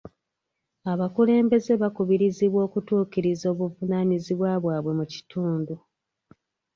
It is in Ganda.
Abakulembeze bakubirizibwa okutuukiriza obuvunaanyizibwa bwabwe mu kitundu.